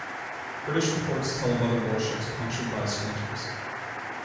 British reports tell of other warships punctured by splinters.